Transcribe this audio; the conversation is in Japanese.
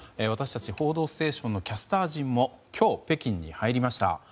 私たち「報道ステーション」のキャスター陣も今日、北京に入りました。